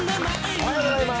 おはようございます。